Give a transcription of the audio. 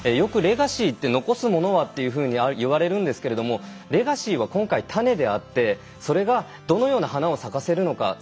レガシーって残すものはと言われますがレガシーは今回、種であってそれがどのような花を咲かせるのか。